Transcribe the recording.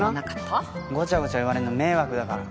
ごちゃごちゃ言われるの迷惑だから。